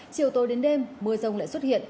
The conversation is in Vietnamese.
chiều tối đến đêm mưa rông lại xuất hiện